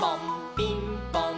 ピンポン！